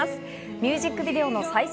ミュージックビデオの再生